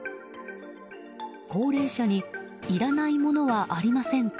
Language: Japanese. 高齢者にいらないものはありませんか？